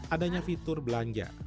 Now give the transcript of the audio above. adanya fitur belanja